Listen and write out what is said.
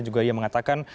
juga dia mengatakan